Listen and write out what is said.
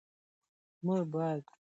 موږ باید د سبا غم وخورو.